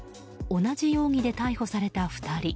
同じ容疑で逮捕された２人。